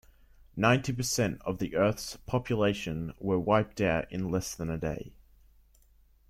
Ninety percent of the Earth's population were wiped out in less than a day.